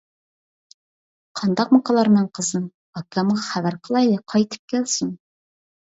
قانداقمۇ قىلارمەن قىزىم؟ -ئاكامغا خەۋەر قىلايلى، قايتىپ كەلسۇن.